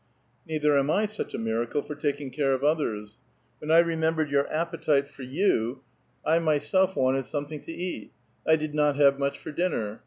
" Neither am I such a miracle for taking care of others. When I remembered 3'our appetite for you, 1 myself wanted something to eat ; I did not have much for dinner.